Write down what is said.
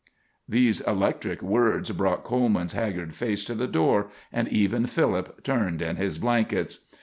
"] These electric words brought Coleman's haggard face to the door, and even Philip turned in his blankets.